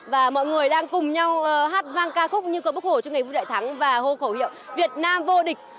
và mọi người đang cùng nhau hát vang ca khúc như cầu bức hổ cho ngày vui đại thắng và hô khẩu hiệu việt nam vô địch